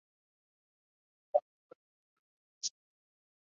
The plan was that the Women in Green would enter the competition next year.